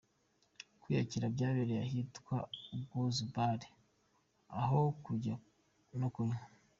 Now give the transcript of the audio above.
Kwiyakira byabereye ahitwa Ubwuzu Bar aho kurya no kunywa